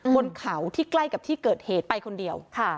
บนเขาที่ใกล้กับที่เกิดเหตุไปคนเดียว